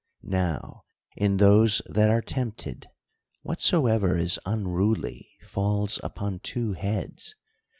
— Now, in those that are tempted, whatsoever is unruly falls upon two heads.